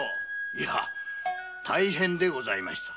イャ大変でございました。